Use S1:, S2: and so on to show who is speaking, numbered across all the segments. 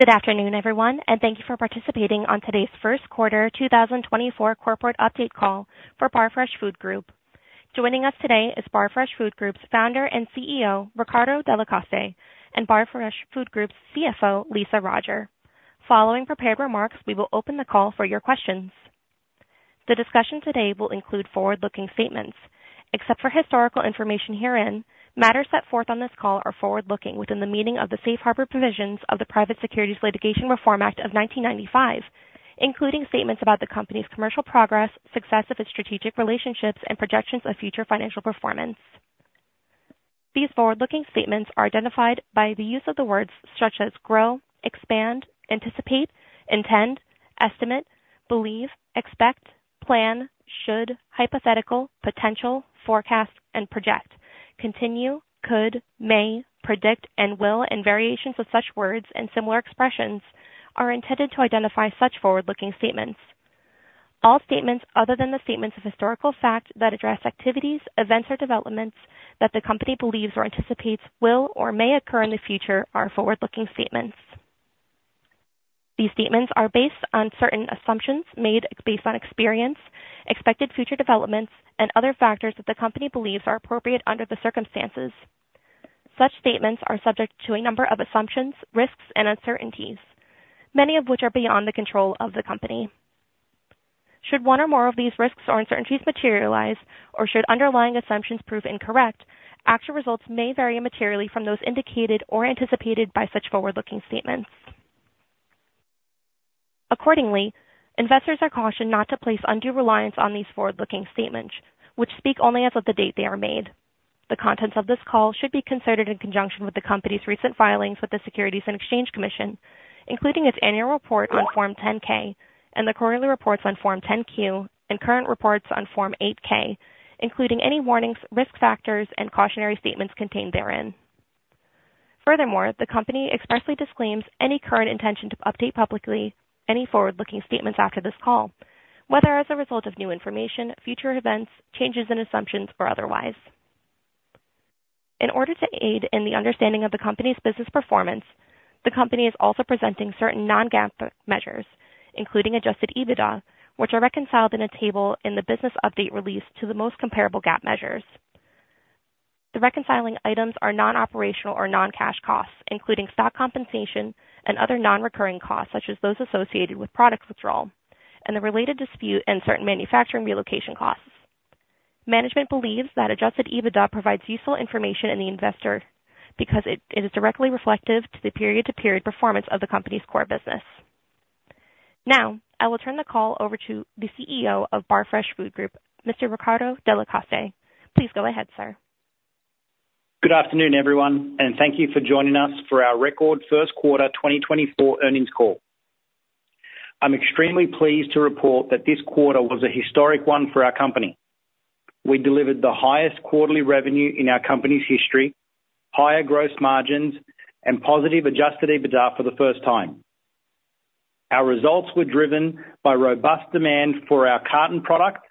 S1: Good afternoon, everyone, and thank you for participating on today's first quarter 2024 corporate update call for Barfresh Food Group. Joining us today is Barfresh Food Group's founder and CEO, Riccardo Delle Coste, and Barfresh Food Group's CFO, Lisa Roger. Following prepared remarks, we will open the call for your questions. The discussion today will include forward-looking statements. Except for historical information herein, matters set forth on this call are forward-looking within the meaning of the Safe Harbor Provisions of the Private Securities Litigation Reform Act of 1995, including statements about the company's commercial progress, success of its strategic relationships, and projections of future financial performance. These forward-looking statements are identified by the use of the words such as grow, expand, anticipate, intend, estimate, believe, expect, plan, should, hypothetical, potential, forecast, and project. continue, could, may, predict, and will, and variations of such words and similar expressions are intended to identify such forward-looking statements. All statements other than the statements of historical fact that address activities, events, or developments that the company believes or anticipates will or may occur in the future are forward-looking statements. These statements are based on certain assumptions made based on experience, expected future developments, and other factors that the company believes are appropriate under the circumstances. Such statements are subject to a number of assumptions, risks and uncertainties, many of which are beyond the control of the company. Should one or more of these risks or uncertainties materialize, or should underlying assumptions prove incorrect, actual results may vary materially from those indicated or anticipated by such forward-looking statements. Accordingly, investors are cautioned not to place undue reliance on these forward-looking statements, which speak only as of the date they are made. The contents of this call should be considered in conjunction with the company's recent filings with the Securities and Exchange Commission, including its annual report on Form 10-K and the quarterly reports on Form 10-Q and current reports on Form 8-K, including any warnings, risk factors, and cautionary statements contained therein. Furthermore, the company expressly disclaims any current intention to update publicly any forward-looking statements after this call, whether as a result of new information, future events, changes in assumptions, or otherwise. In order to aid in the understanding of the company's business performance, the company is also presenting certain non-GAAP measures, including Adjusted EBITDA, which are reconciled in a table in the business update release to the most comparable GAAP measures. The reconciling items are non-operational or non-cash costs, including stock compensation and other non-recurring costs, such as those associated with product withdrawal and the related dispute and certain manufacturing relocation costs. Management believes that Adjusted EBITDA provides useful information to investors because it is directly reflective to the period-to-period performance of the company's core business. Now, I will turn the call over to the CEO of Barfresh Food Group, Mr. Riccardo Delle Coste. Please go ahead, sir.
S2: Good afternoon, everyone, and thank you for joining us for our record first quarter 2024 earnings call. I'm extremely pleased to report that this quarter was a historic one for our company. We delivered the highest quarterly revenue in our company's history, higher gross margins, and positive Adjusted EBITDA for the first time. Our results were driven by robust demand for our carton product,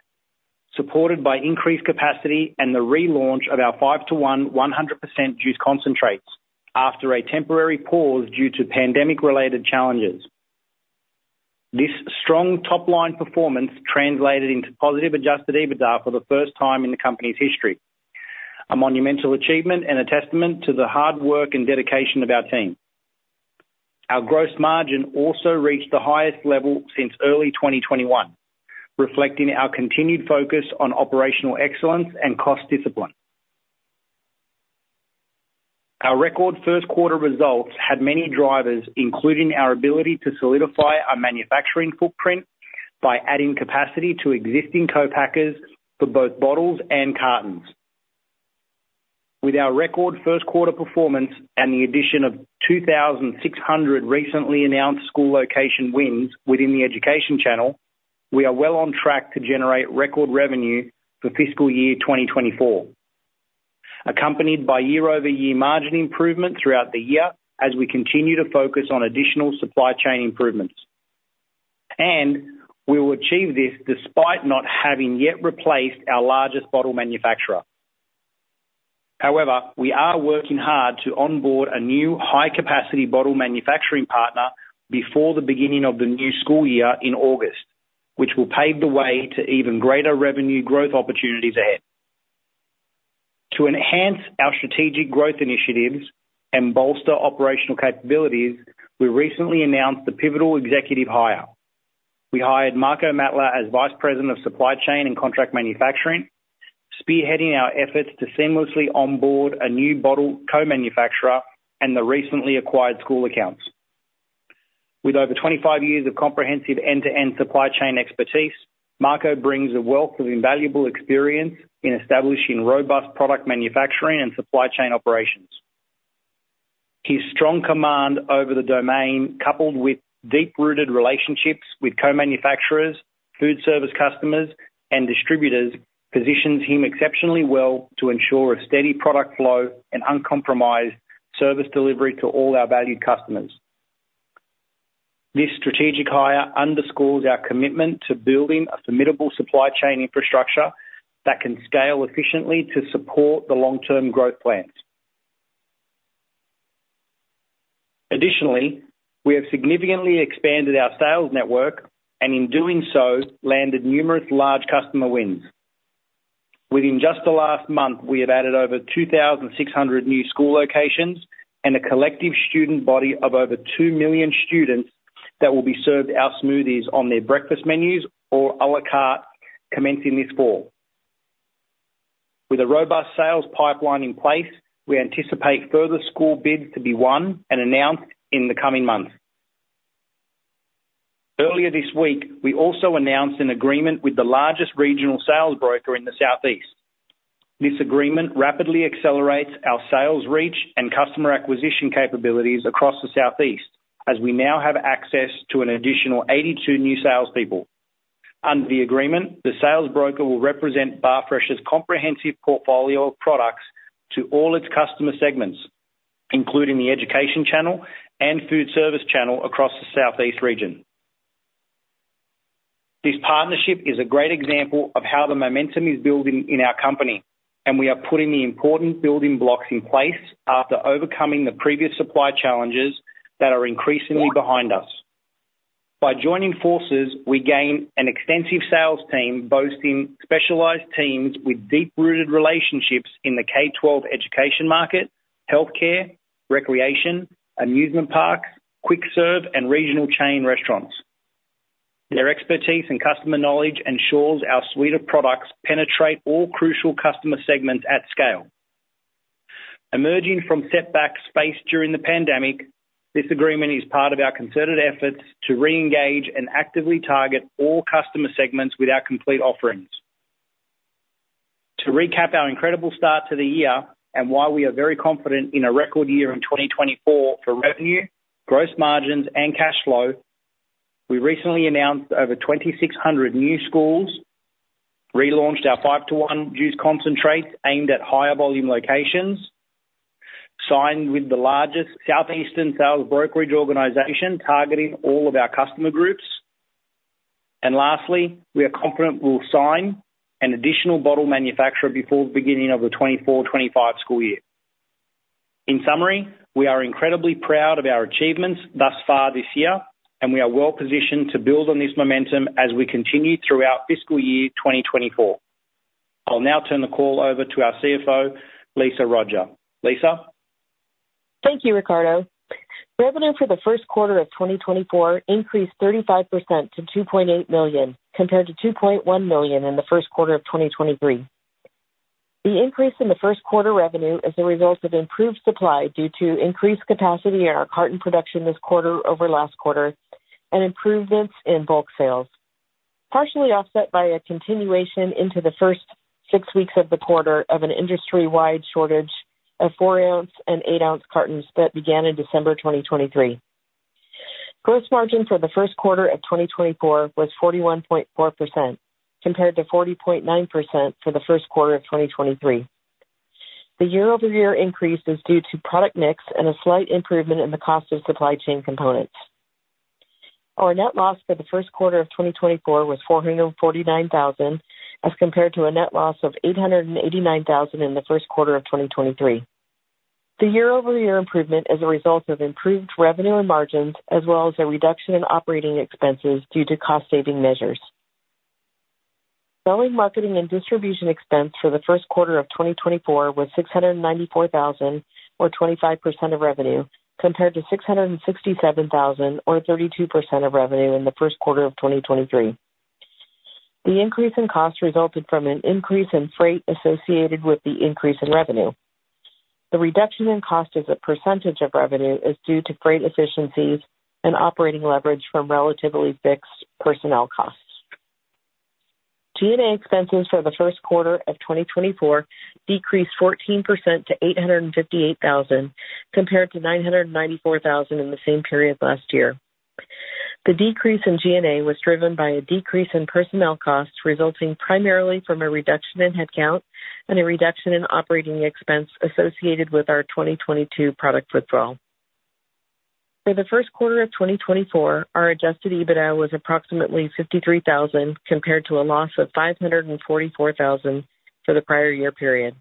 S2: supported by increased capacity and the relaunch of our 5:1 100% juice concentrates after a temporary pause due to pandemic-related challenges. This strong top-line performance translated into positive Adjusted EBITDA for the first time in the company's history, a monumental achievement and a testament to the hard work and dedication of our team. Our gross margin also reached the highest level since early 2021, reflecting our continued focus on operational excellence and cost discipline. Our record first quarter results had many drivers, including our ability to solidify our manufacturing footprint by adding capacity to existing co-packers for both bottles and cartons. With our record first quarter performance and the addition of 2,600 recently announced school location wins within the education channel, we are well on track to generate record revenue for fiscal year 2024, accompanied by year-over-year margin improvement throughout the year as we continue to focus on additional supply chain improvements. We will achieve this despite not having yet replaced our largest bottle manufacturer. However, we are working hard to onboard a new high-capacity bottle manufacturing partner before the beginning of the new school year in August, which will pave the way to even greater revenue growth opportunities ahead. To enhance our strategic growth initiatives and bolster operational capabilities, we recently announced the pivotal executive hire. We hired Marco Mettler as Vice President of Supply Chain and Contract Manufacturing, spearheading our efforts to seamlessly onboard a new bottle co-manufacturer and the recently acquired school accounts. With over 25 years of comprehensive end-to-end supply chain expertise, Marco brings a wealth of invaluable experience in establishing robust product manufacturing and supply chain operations. His strong command over the domain, coupled with deep-rooted relationships with co-manufacturers, food service customers, and distributors, positions him exceptionally well to ensure a steady product flow and uncompromised service delivery to all our valued customers.... This strategic hire underscores our commitment to building a formidable supply chain infrastructure that can scale efficiently to support the long-term growth plans. Additionally, we have significantly expanded our sales network, and in doing so, landed numerous large customer wins. Within just the last month, we have added over 2,600 new school locations and a collective student body of over 2 million students that will be served our smoothies on their breakfast menus or a la carte, commencing this fall. With a robust sales pipeline in place, we anticipate further school bids to be won and announced in the coming months. Earlier this week, we also announced an agreement with the largest regional sales broker in the Southeast. This agreement rapidly accelerates our sales reach and customer acquisition capabilities across the Southeast, as we now have access to an additional 82 new salespeople. Under the agreement, the sales broker will represent Barfresh's comprehensive portfolio of products to all its customer segments, including the education channel and food service channel across the Southeast region. This partnership is a great example of how the momentum is building in our company, and we are putting the important building blocks in place after overcoming the previous supply challenges that are increasingly behind us. By joining forces, we gain an extensive sales team, boasting specialized teams with deep-rooted relationships in the K-12 education market, healthcare, recreation, amusement parks, quick serve, and regional chain restaurants. Their expertise and customer knowledge ensures our suite of products penetrate all crucial customer segments at scale. Emerging from setbacks faced during the pandemic, this agreement is part of our concerted efforts to reengage and actively target all customer segments with our complete offerings. To recap our incredible start to the year and why we are very confident in a record year in 2024 for revenue, gross margins, and cash flow, we recently announced over 2,600 new schools, relaunched our 5:1 juice concentrates aimed at higher volume locations, signed with the largest Southeastern sales brokerage organization, targeting all of our customer groups, and lastly, we are confident we'll sign an additional bottle manufacturer before the beginning of the 2024-2025 school year. In summary, we are incredibly proud of our achievements thus far this year, and we are well-positioned to build on this momentum as we continue throughout fiscal year 2024. I'll now turn the call over to our CFO, Lisa Roger. Lisa?
S3: Thank you, Riccardo. Revenue for the first quarter of 2024 increased 35% to $2.8 million, compared to $2.1 million in the first quarter of 2023. The increase in the first quarter revenue is a result of improved supply due to increased capacity in our carton production this quarter over last quarter, and improvements in bulk sales. Partially offset by a continuation into the first six weeks of the quarter of an industry-wide shortage of 4-ounce and 8-ounce cartons that began in December 2023. Gross margin for the first quarter of 2024 was 41.4%, compared to 40.9% for the first quarter of 2023. The year-over-year increase is due to product mix and a slight improvement in the cost of supply chain components. Our net loss for the first quarter of 2024 was $449,000, as compared to a net loss of $889,000 in the first quarter of 2023. The year-over-year improvement is a result of improved revenue and margins, as well as a reduction in operating expenses due to cost-saving measures. Selling, marketing, and distribution expense for the first quarter of 2024 was $694,000, or 25% of revenue, compared to $667,000, or 32% of revenue, in the first quarter of 2023. The increase in costs resulted from an increase in freight associated with the increase in revenue. The reduction in cost as a percentage of revenue is due to freight efficiencies and operating leverage from relatively fixed personnel costs. G&A expenses for the first quarter of 2024 decreased 14% to $858,000, compared to $994,000 in the same period last year. The decrease in G&A was driven by a decrease in personnel costs, resulting primarily from a reduction in headcount and a reduction in operating expense associated with our 2022 product withdrawal. For the first quarter of 2024, our adjusted EBITDA was approximately $53,000, compared to a loss of $544,000 for the prior year period.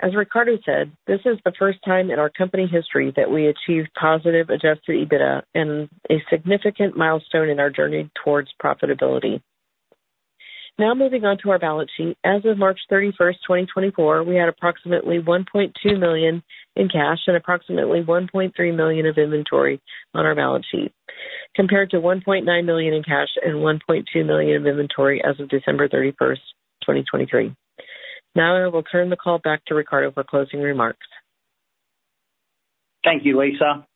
S3: As Riccardo said, this is the first time in our company history that we achieved positive adjusted EBITDA and a significant milestone in our journey towards profitability. Now moving on to our balance sheet. As of March thirty-first, 2024, we had approximately $1.2 million in cash and approximately $1.3 million of inventory on our balance sheet, compared to $1.9 million in cash and $1.2 million in inventory as of December 31st, 2023. Now I will turn the call back to Ricardo for closing remarks.
S2: Thank you, Lisa.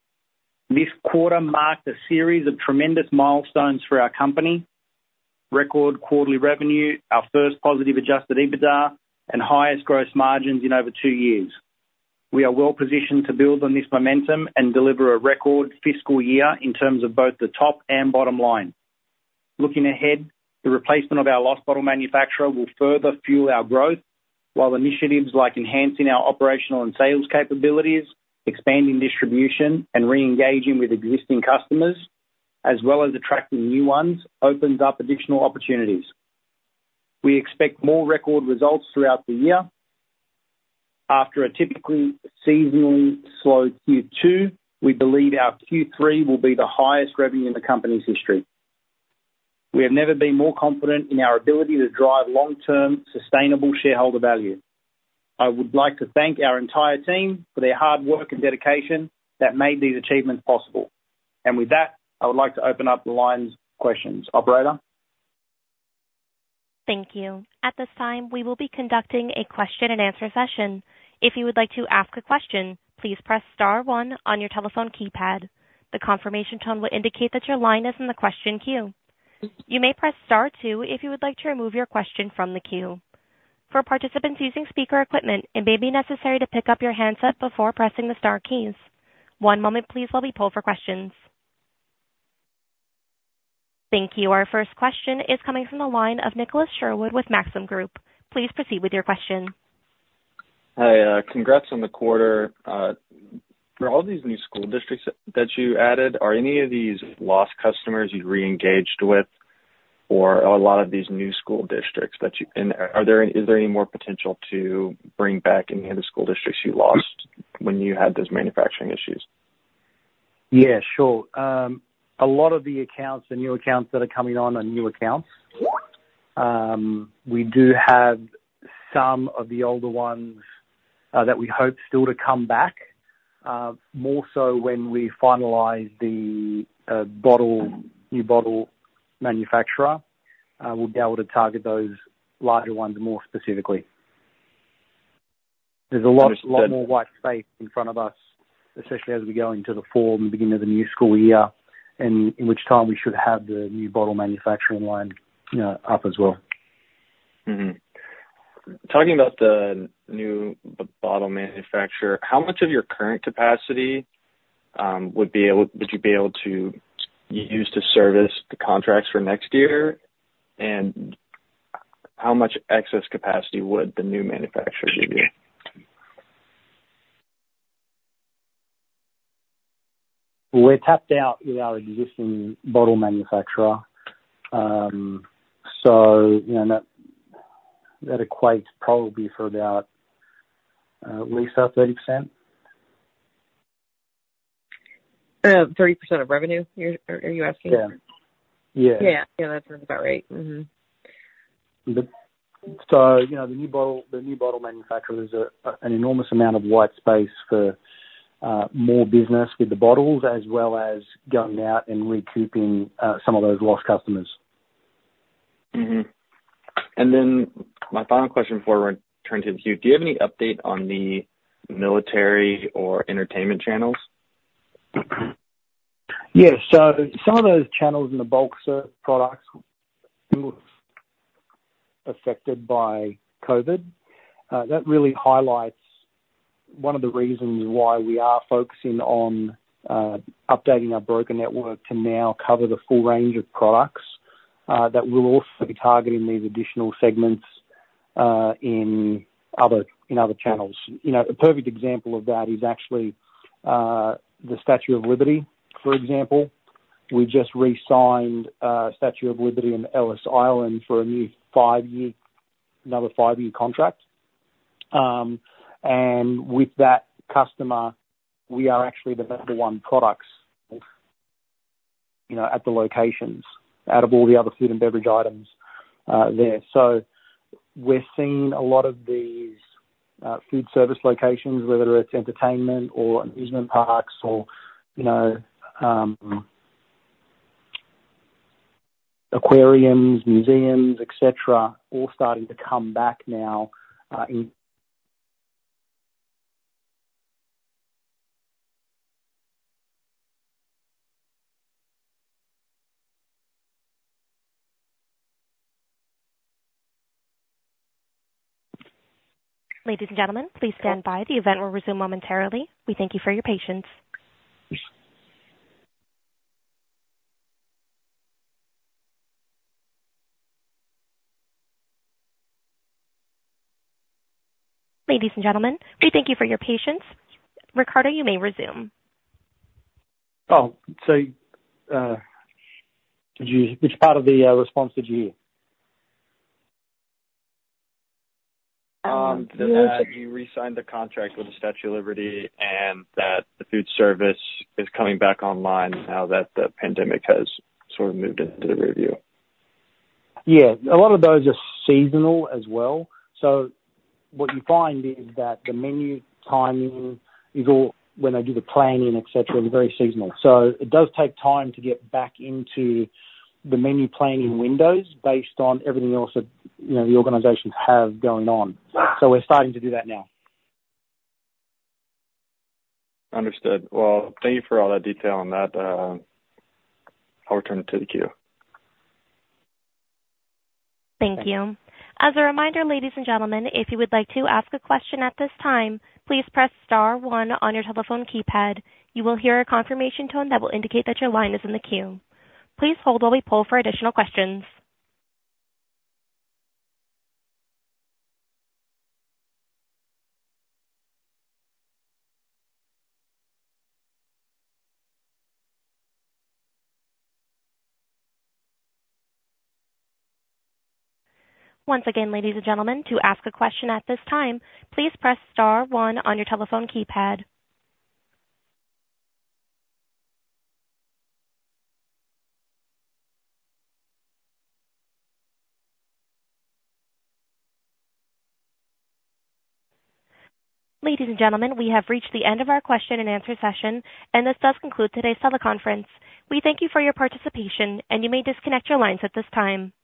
S2: This quarter marked a series of tremendous milestones for our company, record quarterly revenue, our first positive Adjusted EBITDA, and highest gross margins in over two years. We are well positioned to build on this momentum and deliver a record fiscal year in terms of both the top and bottom line. Looking ahead, the replacement of our lost bottle manufacturer will further fuel our growth, while initiatives like enhancing our operational and sales capabilities, expanding distribution, and reengaging with existing customers, as well as attracting new ones, opens up additional opportunities. We expect more record results throughout the year. After a typically seasonally slow Q2, we believe our Q3 will be the highest revenue in the company's history. We have never been more confident in our ability to drive long-term, sustainable shareholder value. I would like to thank our entire team for their hard work and dedication that made these achievements possible. With that, I would like to open up the lines for questions. Operator?
S1: Thank you. At this time, we will be conducting a question-and-answer session. If you would like to ask a question, please press star one on your telephone keypad. The confirmation tone will indicate that your line is in the question queue. You may press star two if you would like to remove your question from the queue. For participants using speaker equipment, it may be necessary to pick up your handset before pressing the star keys. One moment please, while we poll for questions. Thank you. Our first question is coming from the line of Nicholas Sherwood with Maxim Group. Please proceed with your question.
S4: Hi, congrats on the quarter. For all these new school districts that you added, are any of these lost customers you reengaged with or a lot of these new school districts? And, is there any more potential to bring back any of the school districts you lost when you had those manufacturing issues?
S2: Yeah, sure. A lot of the accounts, the new accounts that are coming on, are new accounts. We do have some of the older ones that we hope still to come back. More so when we finalize the bottle, new bottle manufacturer, we'll be able to target those larger ones more specifically. There's a lot, a lot more white space in front of us, especially as we go into the fall and beginning of the new school year, and in which time we should have the new bottle manufacturing line up as well.
S4: Mm-hmm. Talking about the new bottle manufacturer, how much of your current capacity would you be able to use to service the contracts for next year? And how much excess capacity would the new manufacturer give you?
S2: We're tapped out with our existing bottle manufacturer. So, you know, that equates probably for about at least 30%.
S1: 30% of revenue, you're, are you asking?
S2: Yeah. Yeah.
S1: Yeah. Yeah, that sounds about right. Mm-hmm.
S2: So, you know, the new bottle, the new bottle manufacturer is an enormous amount of white space for more business with the bottles, as well as going out and recouping some of those lost customers.
S4: Mm-hmm. And then my final question before I turn it to the queue: Do you have any update on the military or entertainment channels?
S2: Yes. So some of those channels in the bulk service products were affected by COVID. That really highlights one of the reasons why we are focusing on updating our broker network to now cover the full range of products that we're also targeting these additional segments in other channels. You know, a perfect example of that is actually the Statue of Liberty, for example. We just re-signed Statue of Liberty and Ellis Island for a new five-year, another five-year contract. And with that customer, we are actually the number one products, you know, at the locations, out of all the other food and beverage items there. So we're seeing a lot of these food service locations, whether it's entertainment or amusement parks or, you know, aquariums, museums, et cetera, all starting to come back now in-
S1: Ladies and gentlemen, please stand by. The event will resume momentarily. We thank you for your patience. Ladies and gentlemen, we thank you for your patience. Riccardo, you may resume.
S2: Oh, so, which part of the response did you hear?
S4: That you re-signed the contract with the Statue of Liberty, and that the food service is coming back online now that the pandemic has sort of moved into the rearview.
S2: Yeah. A lot of those are seasonal as well. So what you find is that the menu timing is all when they do the planning, et cetera, is very seasonal. So it does take time to get back into the menu planning windows based on everything else that, you know, the organizations have going on. So we're starting to do that now.
S4: Understood. Well, thank you for all that detail on that. I'll return it to the queue.
S1: Thank you. As a reminder, ladies and gentlemen, if you would like to ask a question at this time, please press star one on your telephone keypad. You will hear a confirmation tone that will indicate that your line is in the queue. Please hold while we poll for additional questions. Once again, ladies and gentlemen, to ask a question at this time, please press star one on your telephone keypad. Ladies and gentlemen, we have reached the end of our question-and-answer session, and this does conclude today's teleconference. We thank you for your participation, and you may disconnect your lines at this time.